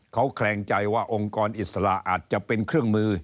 เขาแคลงใจว่าองค์กรอิสระอาจจะเป็นเครื่องมือ